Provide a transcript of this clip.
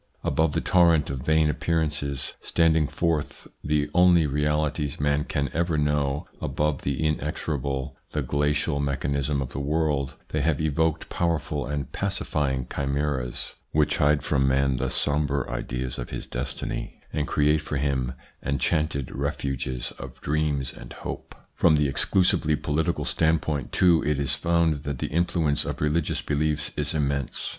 Above the torrent of vain appearances, standing forth the only realities man can ever know, above the inexorable, the glacial mechanism of the world, they have evoked powerful and pacifying chimeras, which hide from man the sombre sides of his destiny, and create for him enchanted refuges of dreams and hope. From the exclusively political standpoint, too, it is found that the influence of religious beliefs is immense.